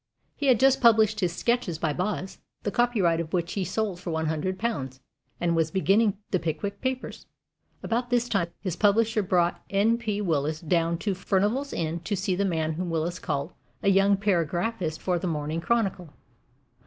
He had just published his Sketches by Boz, the copyright of which he sold for one hundred pounds, and was beginning the Pickwick Papers. About this time his publisher brought N. P. Willis down to Furnival's Inn to see the man whom Willis called "a young paragraphist for the Morning Chronicle."